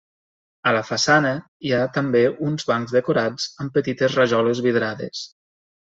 A la façana hi ha també uns bancs decorats amb petites rajoles vidrades.